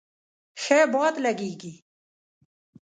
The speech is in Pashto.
ښه باد لږیږی